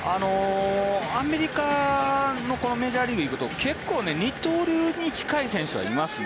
アメリカのこのメジャーリーグに行くと結構、二刀流に近い選手はいますね。